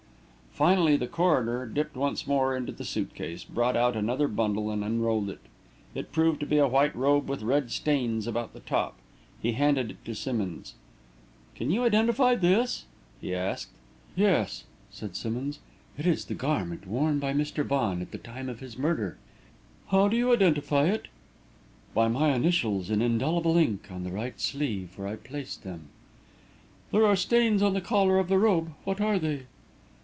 Finally, the coroner dipped once more into the suit case, brought out another bundle and unrolled it. It proved to be a white robe with red stains about the top. He handed it to Simmonds. "Can you identify this?" he asked. "Yes," said Simmonds; "it is the garment worn by Mr. Vaughan at the time of his murder." "How do you identify it?" "By my initials in indelible ink, on the right sleeve, where I placed them." "There are stains on the collar of the robe. What are they?"